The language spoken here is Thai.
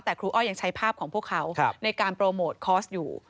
แต่ครูอ้อยยังใช้ภาพของพวกเขาในการโปรโมทคอร์สอยู่